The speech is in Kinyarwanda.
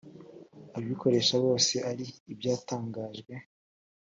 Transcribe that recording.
ababikoresha bose ari ibyatangajwe